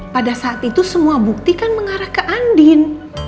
pada saat itu semua bukti kan mengarah ke andin